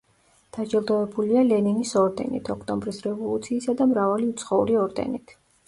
დაჯილდოებულია ლენინის ორდენით, ოქტომბრის რევოლუციისა და მრავალი უცხოური ორდენით.